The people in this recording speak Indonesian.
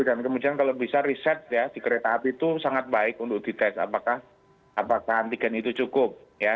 dan kemudian kalau bisa riset ya di kereta api itu sangat baik untuk dites apakah antigen itu cukup ya